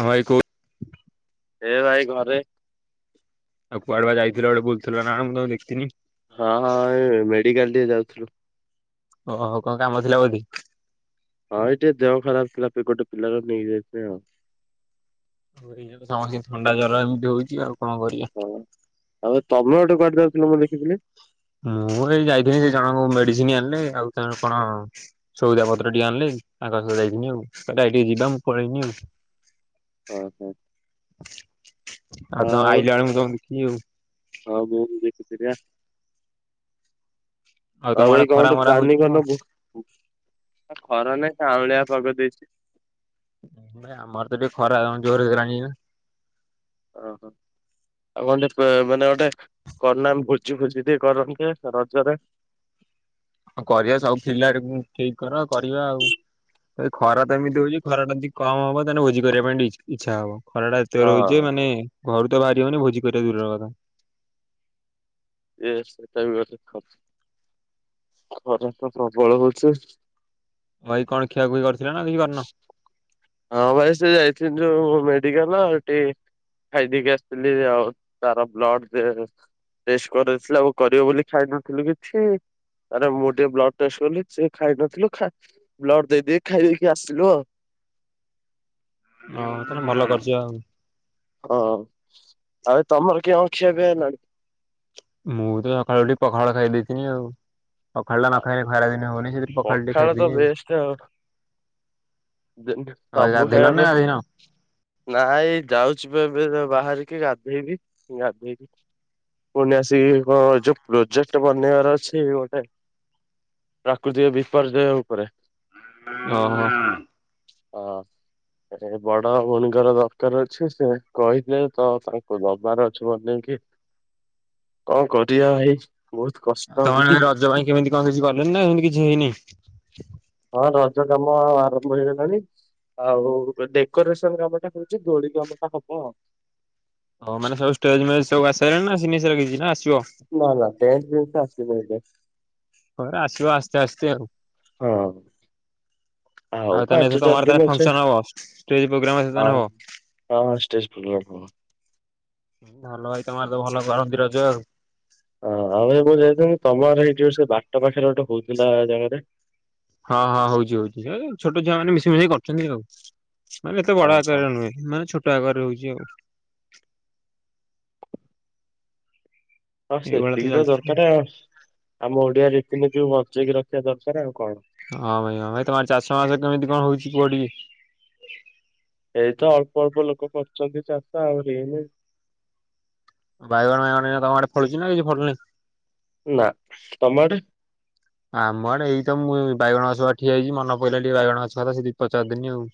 ହଁ ଭାଇ କୁଅ। ହେ ଭାଇ ଘରେ। ଆଉ କୁଆଡେଆ ଯାଇଥିଲ ଗୋଟେ ବୁଥିଲ ନା ମୁଁ ତମକୁ ଦେଖିତିିନି। ହଁ ହଁ ଏ ମେଡିକାଲ ଟିକେ ଯାଉଥିଲୁ। ଓହୋ କଣ କାମ ଥିଲା ବୋଲି? ହଁ ଏଇଠି ଦେହ ଖରାପ ଥିଲା ଗୋଟେ ପିଲାାର ନେଇଯାଇଥିଲେ ଆଉ। ସମସ୍ତେ ଥଣ୍ଡା ଜ୍ୱର ଏମିତି ହଉଛି ଆଉ କଣ କରିବା। ହଁ ଆଉ ତମେ ଗୋଟେ କୁଆଡେ ଯାଉଥିଲ ମୁଁ ଦେଖିଥିଲି? ମୁଁ ଏଇ ଯାଇଥିଲି ସେ ଜଣଙ୍କୁ ମେଡିସିନ ଆଣିଲେ। ଆଉ ତାଙ୍କ କଣ ସଉଦା ପତ୍ର ଟିକେ ଆଲି ତାଙ୍କ ସହତ ଯାଇକିନି ଆଉ ଟିକେ ଯିବା ମୁଁ ପଳେଇନି ଆଉ। ଓ ହୋ। ଆଉ ତମ ଆଇ ଜଣେ ମୁଁ ତମକୁ ଦେଖିବି ଆଉ। ହଉ ମୁ ଦେଖିତରିଆ। ତମ ଆଉ ଆଡେ ଏଇ କଣ ଖରା ଗୋଟେ ମରା ହଉଛି ପ୍ଲାନିଂ ନା କରୁନ କଣ? ଖରା ନାଇଁ କାଉଁଳିଆ ପାଗ ଦେଇଛି। ଭାଇ ଆମର ତ ଟିକେ ଖରା ଜୋର ହେଇଗଲାଣି ଏ। ଓହୋ। ଆଉ କଟେ ମାନେ ଗୋଟେ କରନା ଭୋଜି ଭୋଜି ଟ କରନ୍ତି ରଜରେ। ଆଉ କରିବା ସବୁ ପିଲା ଠିକ କର କରିବା ଆଉ। ଏ ଖରା ତ ଏମିତି ହଉଛି ଖରା ଟ ଯଦି କମ ହବ ତାହେଲେ ଭୋଜି କରିବା ପାଇଁ ଇଚ୍ଛା ହବ। ଖରା ଟା ତ ରହୁଛ ହଁ। ମାନେ ଘରୁ ତ ବାହାରିବନି ଭୋଜି କରିବା ଦୂରର କଥା। ଏଇ ସେଇଟା ବି ଗଟେ ଖରା ତ ପ୍ରବଳ ହଉଛି। ଭାଇ କଣ ଖିଆକୁୁଇ କରିଥିଲେ ନା କିଛି କରିନ? ହଁ ଭାଇ ସେ ଯାଇଥିନି ଯୋଉ ମେଡିକାଲ ହେଠି ଖାଇଦେଇକି ଆସିଥିଲି ଆଉ ତାର ବ୍ଲଡ ଦେ ରେଷ୍ଟ କରଥିଲେ ଆଉ କରିବ ବୋଲି ଖାଇନଥିଲୁ କିଛି। ଆରେ ମୁଁ ଟିକେ ବ୍ଲଡ ଟେଷ୍ଟ କଲି ସିଏ ଖାଇ ନଥିଲୁ ଖା ବ୍ଲଡ ଦେଇ ଦେଇକି ଖାଇ ଦେଇକି ଆସିଲୁ ଆଉ। ହଁ ଆପଣ ଭଲ କରିଛ ଆଉ। ହଁ ଆଉ ତମର କିଏ ଅଛି ଏବେ ନା? ମୁଁ ତ ସକାଳୁ ଉଠି ପଖାଳ ଖାଇ ଦେଇଥିନି ଆଉ। ପଖାଳ ଟା ନଖାଇନେ ଆରେ ଖରା ଦିନେ ହଉନି ସେଥିରେ ପଖାଳ ଟେ ଖାଇଦେଇଛି ଆଉ। ଦିନ ଆ ସବୁ ଗାଧିଲ ଖାଇବା ନା ପାଇଁ ଗାଧିନ? ନାଇଁ ଯାଉଛି ଏବେ ବାହାରିକି ଗାଧେଇବି। ଗାଧେଇକି ପୁଣି ଆସିକି କଣ ଯୋଉ ପ୍ରୋଜେକ୍ଟ ବନେଇବାର ଅଛି ଗୋଟେ ପ୍ରାକୃତିକ ବିପର୍ଯ୍ୟୟ ଉପରେ। ଓହୋ। ହଁ। ଏ ବଡ ଭଉଣୀଙ୍କର ଦରକାର ଅଛି ସେ କହିଥିଲେ ତ ତାଙ୍କୁ ଦବାର ଅଛି ବନେଇକି କଣ କରିଆ ଭାଇ ବହୁତ ଆଉ କଷ୍ଟ ତମେ ହଉଛି ରଜ ପାଇଁ କେମିତି କଣ କିଛି କଲେଣି ନା ଏମିତି କିଛି ହେଇନି? ହଁ ରଜ କାମ ଆରମ୍ଭ ହେଇଗଲାଣି। ଆଉ ଡେକୋରେସନ କାମଟା ହୁଛି ଦୋଳି କାମ ଟା ହବ ଆଉ। ହଉ ମାନେ ସବ ଷ୍ଟେଜ୍ ମେଜ ସବୁ ଆସିସାଇଲାଣି ନା ଆସିନି କିଛି, ନା ଆସିବ। ନା ନା ଷ୍ଟେଜ ଜିନସ ଆସିନି ଏଯାଏ। ପରେ ଆସିବ ଆସ୍ତେ ଆସ୍ତେ ଆଉ। ଓ। ଆଉ ତାହେଲେ ଚାରି ତମର ଦିନ ଅଛି ଫଙ୍କସନ ହବ ଷ୍ଟେଜ ପ୍ରୋଗ୍ରାମ ହବ। ହଁ ହଁ ଷ୍ଟେଜ୍ ପ୍ରୋଗ୍ରାମ ହବ। ଭଲ ଭାଇ ତମର ତ ଭଲ କରନ୍ତି ରଜ ଆଉ। ହ ଆଉ ମୁଁ ଯାଇଥିଲି ତମର ଏଇଠି ସେ ବାଟ ପାଖରେ ଗୋଟେ ହଉଥିଲା ଜାଗାରେ। ହଁ ହଁ ହଉଛି ହଉଛି ଛୋଟ ଛୁଆ ମାନ ମିଶ ମିଶେଇ କରିଛନ୍ତି ଆଉ। ମାନେ ଏତେ ବଡ ଓହୋ। ଆକାରରରେ ନୁହେଁ ମାନେ ଛୋଟ ଆକାରରେ ହଉଛି ଆଉ। ହଁ ଏଇଭଳିଆ ସେତିକି ତ ଚାଲିଛି। ଦରକାର ଆମ ଓଡିଆ ରିତିନିତି କି ବଞ୍ଚେଇକି ରଖିବା ଦରକାର ଆଉ କଣ। ହଁ ଭାଇ ହଁ ଭାଇ ତମର ଚାଷ ବାସ କେମିତି କଣ ହଉଛି କୁହ ଟିକେ। ଏଇତ ଅଳ୍ପ ଅଳ୍ପ ଲୋକ କରୁଛନ୍ତି ଚାଷ ହେଇନି। ବାଇଗଣ ବାଇଗଣ ତମର ଫଳୁଚି ନା କିଛି ଫଳୁନି। ନା ତମ ଆଡ଼େ। ଆମ ଆଡ଼େ ଏଇ ତ ମୁଁ ବାଇଗଣ ଛୁଆ ଠିଆ ହେଇଛି ମନ ପଇଲା ଟକେ ବାଇଗଣ ଛୁଆ ତ ସେ ଦି ପଚାର ଦିନ ଆଉ।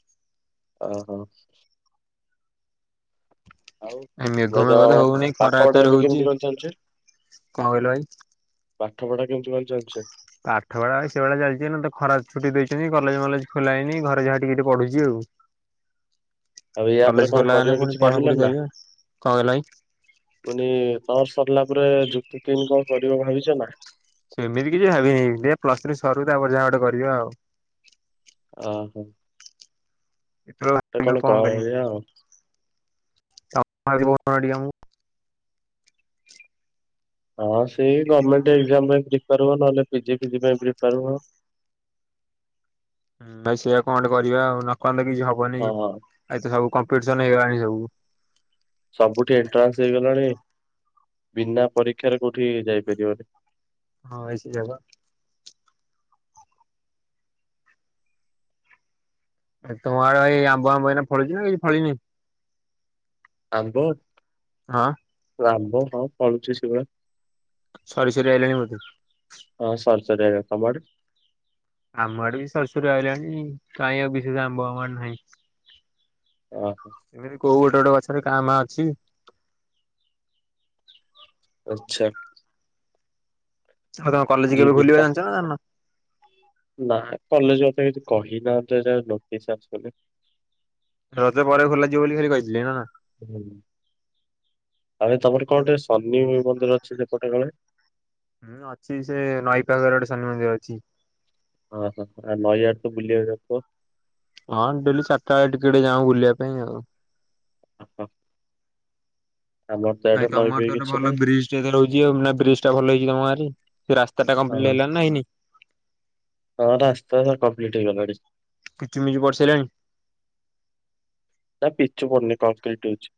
ଓ ହୋ। ଆଉ ଏ ମେଘ ମଭାଇ ମେଘ ତ ତମ ହଉନି ଖରା ପାଠ ପଢା ଏତେରେ ଏବେ ହଉଛି କେମିତି କଣ ଚାଲିଛି? କଣ କହିଲ ଭାଇ? ପାଠ ପଢା କେମିତି କଣ ଚାଲିଛି। ପାଠ ପଢା ସେଭଳିଆ ଚାଲିଛି ଏନେତ ଖରା ଛୁଟି ଦେଇଛନ୍ତି କଲେଜ ମଲେଜ ଖୋଲାଇନିରେ ଯାହା ଟିକ ଟେ ପଢୁଛି ଆଉ। ଆଉ କଲେଜ ୟାପରେ କଣ ଖୋଲା ହେଲେ କରିବ ପୁଣି କିଛି ପଢାପଢି ଭାବିଲନି ନା। କରିବା କଣ କହିଲ ଭାଇ? ମାନେ ତର ସରିଲା ପରେ ଯୁକ୍ତ ତିନି କଣ କରିବ ଭାବିଛ ନା। ସେମିତି କିଛି ଭାବିନି ଦେ ପ୍ଲସ୍ ଥ୍ରୀ ସରୁ ତାପରେ ଯାହା ଗଟେ କରିବ ଆଉ। ଓହୋ। ତ କଣ କରିବା ଆଉ। [inaudible] ହଁ ସେଇ ଗଭର୍ମେଣ୍ଟ ଏକ୍ସାମ ପାଇଁ ପ୍ରିପାର ହୁଅ ନହଲେ ପିଜି ଫିଜି ପାଇଁ ପ୍ରିପାର ହୁଅ। ହୁଁ ଭାଇ ସେଇଆ କଣ ଗୋଟେ କରିବା ଆଉ ନ କଲେ କିଛି ହବନି ହଁ ଆ ତ ସବୁ କମ୍ପିଟିସନ ହେଇଗଲାଣି ସବୁ। ସବୁଠି ଏଣ୍ଟ୍ରାନ୍ସ ହେଇଗଲାଣି ବିନା ପରୀକ୍ଷାରେ କୋଉଠି ଯାଇପାରିବନି। ହଁ ଭାଇ ସେଇଆ ବା। ଏ ତମ ଆଡେ ଏଇ ଆମ୍ବ ଆମ୍ବଇନା ଫଳୁଚି ନା କିଛି ଫଳିନି। ଆମ୍ବ ହଁ। ଆମ୍ବ ହଁ ପଳୁଛି ସେଭଳି। ସରି ସରି ଆଇଲାଣି ବୋଧେ। ହଁ ସରି ସରି ଆସିଲାଣି ତମ ଆଡ଼େ। ଆମ ଆଡେ ବି ସରସରିୀ ରହିଲାଣି କାହିଁ ଆଉ ବି ସେ ଆମ୍ଭ ଆମ ଆଡ ନାହିଁ। ଓ। ସେମିତି କୋଉ ଗୋଟେ ଗୋଟେ ଗଛରେ କାଁ ଭା ଅଛି। ଆଚ୍ଛା। ଆଉ ତମ କଲେଜ କେବେ ଯିବି ଖୋଲିବା ତ ଜାଣିଛ ନା ଜାଣିନ? ନା କଲେଜ କଥା କିଛି କହିନାହାନ୍ତି ଯ ନୋଟିସ୍ ଆସିନି। ରଜ ପରେ ଖୋଲାଯିବ ବୋଲି ଖାଲି କହିଥିଲି ନା କଣ? ହୁଁ ଆରେ ତମର ହୁଁ କଣ ଟେ ଶନି ମନ୍ଦିର ଅଛି ସେପଟେ କାଳେ। ହୁଁ ଅଛି, ସେ ନଈ ପାଖରେ ଗୋଟେ ଶନି ମନ୍ଦିର ଅଛି। ହଁ ହୋ, ନଈଆଡେ ତ ବୁଲିିବାକୁ ଯାଉଥିବ? ହଁ ଡେଲି ଚାରିଟା ବେଳେ ଟିକେ ଟିକେ ଯାଉ ବୁଲିବା ପାଇଁ ଆଉ। ଅହ ଭାଇ ତମର ଗୋଟେ ଭଲ ବ୍ରିଜ ଟେ [unintelligible] ନା ବ୍ରିଜ ଟା ଭଲ ହେଇଛି ତମ ଗାଁରେ। ସେ ରାସ୍ତା ଟା କମ୍ପ୍ଲିଟ ହଁ। ହେଲା ନା ହେଇନି? ହଁ ରାସ୍ତାଟା କମ୍ପ୍ଲିଟ ହେଇଗଲାଣି। ପିଚୁମିଚୁ ପଡି ସାଇଲାଣି? ନା ପିଛୁ ପଡ଼ୁନି କଂକ୍ରିଟ୍ ହୋଉଛି।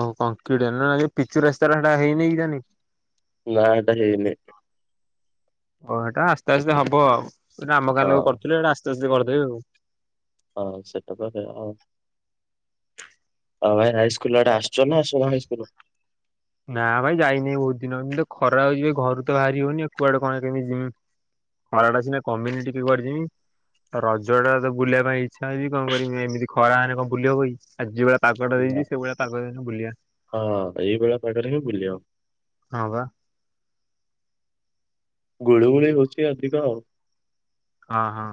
ଓ କଂକ୍ରିଟି ନା, ପିଚୁ ରାସ୍ତା ରେ ସେଟା ହେଇନି କି ଜାନୀ। ନା ଏଟା ହେଇନି। ଓ ଏଟା ଆସ୍ତେ ଆସ୍ତେ ହବ ଆଉ, ଆମ ଗାଁ ହଁ ଲୋକ କରିୁଥିଲେ ଏଇଟା ଆସ୍ତେ ଆସ୍ତେ କରିଦେବେ ଆଉ ହଁ ସେଇଟା ତ ସେଇୟା। ହଉ ଭାଇ ହାଇସ୍କୁଲଆଡେ ଆସଛ ନା ଆସୁନ ହାଇସ୍କୁଲ୍। ନା ଭାଇ ଯାଇନହିଁ ବହୁତ ଦିନ ଏମିତି ଖରା ହଉଛି ଭାଇ ଘରୁ ତ ବାରି ହଉନି କୁଆଡେ କଣ କେମିତିି ଯିମି। ଖରା ଟା ସିନା କମିଲେ କୁଆଡେ ଯିମି। ରଜ ଟା ତ ବୁଲିବା ପାଇଁ ଇଛା ହଉଛି କଣ କରିବି, ଏମିତି ଖରା ହେନେ କଣ ବୁଲି ହବ କି ଆ ଯୁଆ ପାଗଟେ ନା। ଦେଇଛି ସେଇଭଳିଆ ପାଗ ହେଲେ ବୁଲିଆ। ହଁ ଏଇଭଳିଆ ପାଗରେ ହିଁ ବୁଲିଅ। ହଁ ବା। ଗୁଳି ଗୁଳି ହଉଚି ଅଧିକ ଆଉ। ହଁ ହଁ।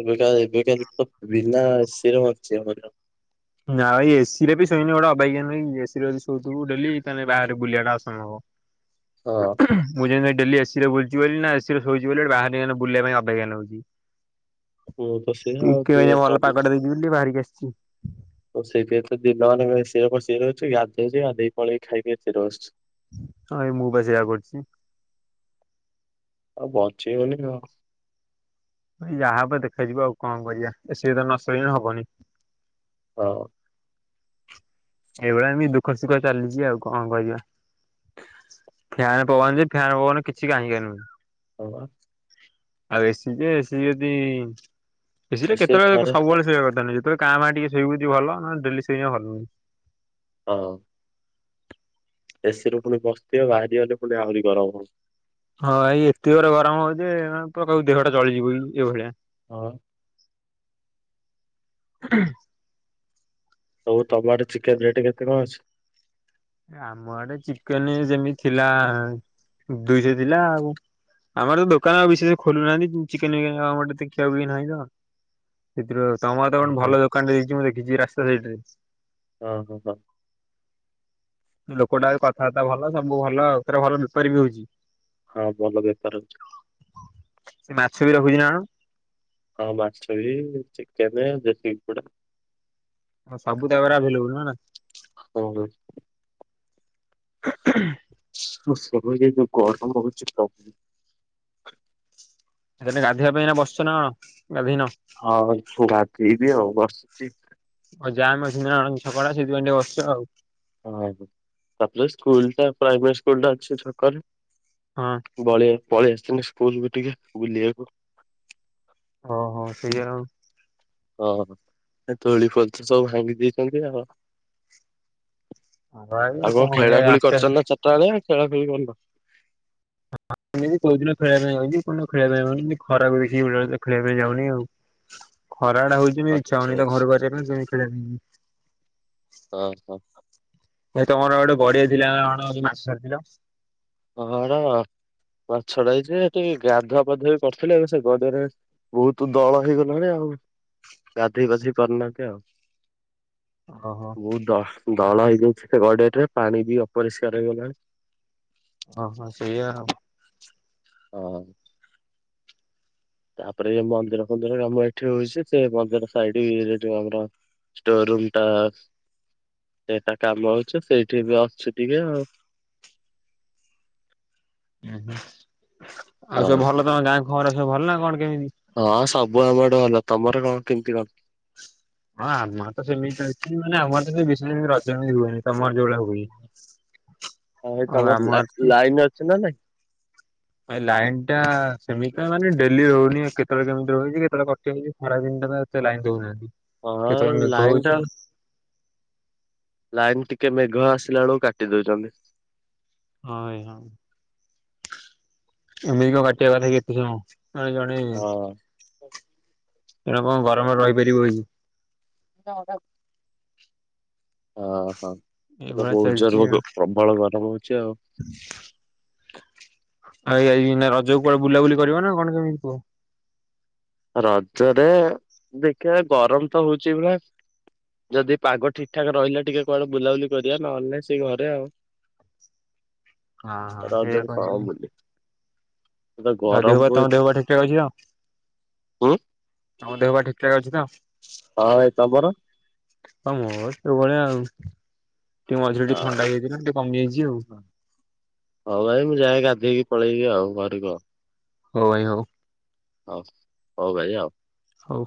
ଏବେକା ଏବେକା ଭିନ୍ନ [unintelligible] ଆମର। ନା ଏଇ ଏସି ରେ ସୋଇନେ ଗୋଟେ ଅବାଗିଆ ନୁହଁ କି, ଏସିରେ ଯଦି ଶୋଉଥିବୁ ଡେଲି, ତାହେଲେ ବାହରେ ବୁଲିବାଟା ଅସମ୍ଭବ। ହଁ। ମୁଁ ଯେନ୍ତି ଡେଲି ଏସି ରେ ବୁଛି ବୋଲି ନା ଏସିରେ ଶୋଇଛି ବୋଲି ବାହାରାରେ ବୁଲିବା ପାଇଁ ଅବାଗିଆ ନାଗୁଚି। ମୁଁ ତ ସେଇଆ ଆଉ ଟିକେ ଦୁଇ ଅଇଁଆ ହଜାର ଭଲ ଚବିଶ ପାଗଟା ଦେଇଚି ବୋଲି ବାହାରିକି ଆସିଛି। [unintelligible] ପଳେଇ ଖାଇକି ଏତେ ରସ। ହଁ ଏ ମୁଁ ବା ସେଇୟା କରୁଚି। ଆଉ ବଞ୍ଚେଇବନି ଆଉ। ନାଇ ଯାହା ହବ ଦେଖାଯିବ ଆଉ କଣ କରିବା, ଏସି ରେ ବି ତ ନସୋଇଁଲେ ହବନି। ହଉ। ଏଇଭଳିଆ ଏମିତି ଦୁଃଖ ସୁଖ ଚାଲିଛି ଆଉ କଣ କରିବା? ଫ୍ୟାନ୍ ପବନ ଯେ ଫ୍ୟନ୍ ପବନ କିଛି କାହିଁକା ନୁହେଁ। ହଉ ଆ ଆଉ ଏସି ଯେ ଏସିି ଯଦି ଏସିଟା ଏସି ରେ କେତବେଳେ ଥରେ ସବୁବେଳେ ଶୋଇବା କଥା ନୁହେ ଯେତେବେଳେ କାଁ ଭାଆଁ ଟିକେ ଶୋଇବୁ ଯଦି ଭଲ ନ ଡେଲି ଶୋଇବା ଭଲ ନୁହେ। ହ ଏସିିରୁୁ ପୁଣି ବସିଥିବ, ବାହାରିଗଲେ ପୁଣି ଆହୁରି ଗରମ ହଵ। ହଁ ଏଇ ଏତେ ର ଗରମ ହଉ ଯେ ମାନେ ପୁ ଦେହଟା ଜଳିଯିବ ପୁ ଏ ଭଳିଆ। ହଁ ପା। [inaudible] ହଉ ତମଆଡେ ଚିକେନ ରେଟ୍ କେତେ କଣ ଅଛି? ଆମ ଆଡେ ଚିକେନ ସେମିତି ଥିଲା ଦୁଇଶହ ଥିଲା ଆଉ। ଆମର ତ ଦୋକାନ ଆଉ ବିଶେଷ ଖୋଲୁନାହାନ୍ତି, ଚିକେନ ବିକେ ଆରେ ଖିଆ ବିି ନାହିଁ ନା। ସେଥି ତମର ତ ହଁ କଣ ହଁ ଭଲ ଦୋକାନ ରେ ଯାଇଛି ମୁଁ ଦେଖିଛି ରାସ୍ତା ସାଇଟ୍ ରେ। ହଁ ହଁ ହଁ। ଲୋକଟା କଥାବାର୍ତ୍ତା ଭଲ ସବୁ ଭଲ ଆଉ ଥରେ ଭଲ ବେପାର ବି ହଉଚି। ହଁ ଭଲ ବେପାର ହଉଚି। ସେ ମାଛ ବି ରଖୁଛି ନା ଆଣ? ହଁ ମାଛ ବି ଚିକେନେ ଦେଶୀ କୁକୁଡ଼ା। ସବୁ ତାଖରେ ଆଭେଲେବଲ ନୁହେ ନା। ହଁ। ହଁ। ଉ ସବୁ ଯୋଉ ଗରମ ହଉଛି ପ୍ରଭୁ। ଆ ଗାଧୋଇବା ପାଇଁ ଏ ବସିଚ ନା କଣ ଗାଧୋଇନ? ହଁ ଛୁଆତି ହେଇବି ଆଉ ବସିଚି। ଆଉ ଯା ମ [unintelligible] ବସିଚ ଆଉ। ଓ ତାପରେ ସ୍କୁଲ ଟା ପ୍ରାଇମେ ସ୍କୁଲ ଟା ଅଛି ଛକରେ। ହଁ। ବଳିଆ ପଳେଇ ଆସିି ଥିନି ସ୍କୁଲକୁ ଟିକେ ବୁଲିଆକୁ। ଓହୋ! ସେଇଆ ଆଉ। ହଁ ହଁ ସେ ଦୋଳି ଫୋଳି ତ ସବୁ ଭାଙ୍ଗି ଦେଇେଚନ୍ତି ଆଉ। ହଁ ଭାଇ ଆଉ କଣ ଖେଳା କରିବା ଖୋଳି ଆସ୍ତେ ଆସ୍ତେ କରିଚ ନା ଚାଟା ବେଳେ ଖେଳା ଖେଳି କରିନ ହଁ ଏମତି କୋଉଦିନ ଖେଳିଆ ପାଇଁ ଯାଉଛି କୋଉଦିନ ଖେଳିଆ ପାଇଁ ପାଉନି ଖରାକୁ ଦେଖି ବେଳେ ଖେଳିଆ ପାଇଁ ଯାଉନି ଆଉ। ଖରାଟା ହଉଚି ନି ଇଛା ଆଚ୍ଛା ହଉନି ତ ଆଚ୍ଛା ଘରୁ ବାହାରିଆ ପାଇଁ କେମତି ଖେଳିଆ ହଁ ହୋ ହୋ। ହେ ତମର ଗୋଟେ ଗଡିଆ ଥିଲା ନା କଣ କି ମାସ ଛାଡିଥିଲ। ହଁ ରଅ ମାଛଡା ହେଇଚି ଯେ ସେଠି ଗାଧୁଆ ପାଧୁଆ ବି କରିଥିଲେ ସେ ଗଡିଆରେ ବହୁତୁ ଦଳ ହେଇଗଲାଣି ଆଉ ଗାଧେଇ ପାଧେଇ କରନାହାନ୍ତି ଆଉ। ଅ ହ ବହୁତ ଦହ ଦଳ ହେଇଯାଇଛି ସେ ଗଡିଆ ଟାରେ ପାଣି ବି ଅପରିଷ୍କାର ହେଇଗଲାଣି। ଅହ ସେଇଆ ଆଉ। ଆ ଆଉ। ତାପରେ ଯଉ ମନ୍ଦିର ଫନ୍ଦିର ରାମ ଏଠି ରଉଛି ସେ ମନ୍ଦିର ସାଇଡ ରେ ଏଠି ଆମର ଷ୍ଟୋର ରୁମ ଟା ସେଟା କାମ ହଉଚି ସେଇଠି ବି ଅଛୁ ଟିକେ ଆଉ ହୁଁ ହୁଁ ଆଉ ହଁ। ସବୁ ଭଲ ତମ ଗାଁ ଖବର ସବୁ ଭଲ ନା କଣ କେମିତି? ହଁ ସବୁ ଆମଆଡେ ଭଲ ତମର ରଁ କେମତି କଁ ହଁ ଆମ ଆଡେ ତ ସେମତି ଚାଲଚି ମାନେ ଆମ ଆଡେ ତ ବିଶେଷ ରଜହିଁ ହୁଏନି ତମର ଯୋଉଭଳିଆ ହଉ ହଁ ଏଇ ଆମ ତମର ଲା ଆଡେ କି ଲାଇନ ଅଛି ନା ନାଇଁ? ଏ ଲାଇନ୍ ଟା ସେମିତି ତ ମାନେ ଡେଲି ରଉନି କେତେବେଳେ କେମତି ରହୁଛି କେତେବେଳେ କଟିଯାଉଛି ଖରା ଦିନ ଟା ସେ ଲାଇନ ଦଉନାଆନ୍ତି ହଁ କେତେବେଳେ ମେଘ ଲାଇନ ହଉଚି। ଲାଇନ୍ ଟିକେ ମେଘ ଆସିଲା ଏଳକୁ କାଟି ଦଉଚନ୍ତି। ହଁ ଏ ହଁ। ଏମିତି କଁ କାଟିଆ କଥା କି ଏତେ ଜଣ ଜଣେ ଜଣେ ହଁ। ଏଣୁ କଁ ଗରମରେ ରହିପାରିବ ଏଇଠି ହ ର [unintelligible] ଅ ହ ଏବେ ଏଇଭଳିଆ ବହୁତ ଜୋରେ ବୋଧେ ପ୍ରବଳ ଗରମ ହଉଚି ଆଉ। ଆଜ୍ଞା ଏଇକିନା ରଜ କୁ କୁଆଡେ ବୁଲାବୁଲି କରିବ ନା କଣ କେମିତି କୁହ? ରଜରେ ଦେଖିଆ ଗରମ ତ ହଉଛି ଏ ଭଳିଆ ଯଦି ପାଗ ଠିକ ଠାକ ରହିଲା ଟିକେ କୁଆଡେ ବୁଲାବୁଲି କରିବା ନହେଲେ ସେଇ ଘରେ ଆଉ। ହଁ ହଁ ସେଇଆ ରଜରେ କଁ କରିବା ବୁଲିବି ଆଉ ଦେହ ପା ତମ ଦେହ ପା ଠିକଠାକ ଅଛି ନା କଁ? ହୁଁ ତମ ଦେହ ପା ଠିକ ଠାକ ଅଛି ତ ହଁଅଁ ଏ ତମର? ହଁ ମୋର ତୋ ଭଳିଆ ଆଉ ଟିକେ ମଝିରେ ଟିକେ ହଁ। ଥଣ୍ଡା ହେଇଯାଇଥିଲା ଟିକେ କମିଆଇଛି ଆଉ। ହଁ ଭାଇ ମୁଁ ଯାଏଁ ଗାଧେଇକି ପଳେଇବି ଆଉ ଘରକୁ ହଉ ଭାଇ ହଉ। ହଉ ହଉ ଭାଇ ଆଉ। ହଉ।